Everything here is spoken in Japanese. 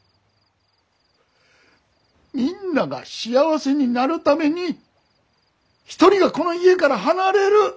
みんなが幸せになるために１人がこの家から離れる。